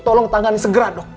tolong tangan ini segera dok